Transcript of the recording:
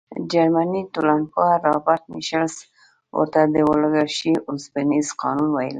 جرمني ټولنپوه رابرټ میشلز ورته د اولیګارشۍ اوسپنیز قانون ویلي.